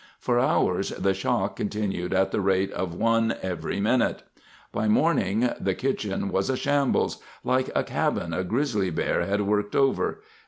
For hours, the shocks continued at the rate of one every minute. By morning the kitchen was a shambles—"like a cabin a grizzly bear had worked over.